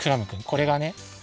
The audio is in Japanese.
これがね